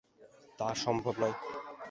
তা সম্ভব নয়।